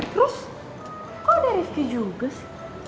terus kok ada rizky juga sih